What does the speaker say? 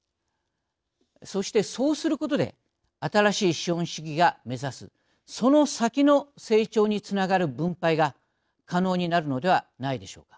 そしてそうすることで新しい資本主義が目指すその先の成長につながる分配が可能になるのではないでしょうか。